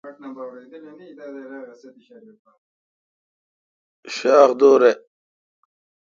شاَ خ دور پے°